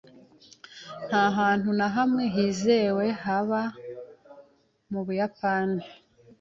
Nta hantu na hamwe hizewe haba mu Buyapani.